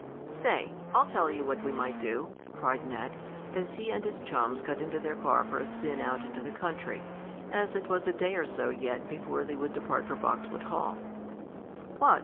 "Say, I'll tell you what we might do," cried Ned, as he and his chums got into their car for a spin out into the country, as it was a day or so yet before they would depart for Boxwood Hall. "What?"